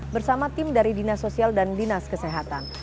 bersama tim dari dinas sosial dan dinas kesehatan